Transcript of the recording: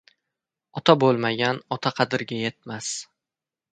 • Ota bo‘lmagan, ota qadriga yetmas.